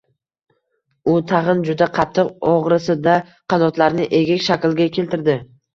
U tag‘in, juda qattiq og‘risa-da, qanotlarini egik shaklga keltirdi